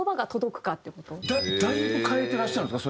だいぶ変えていらっしゃるんですか？